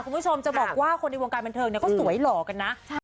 คุณผู้ชมจะบอกว่าคนในวงการบันเทิงเนี่ยเขาสวยหล่อกันนะ